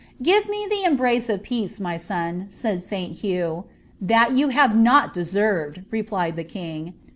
"Give me the embrace of peace, my son," said St. Hugh. "That you have not deserved," replied the king.